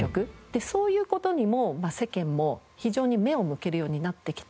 そういう事にも世間も非常に目を向けるようになってきて。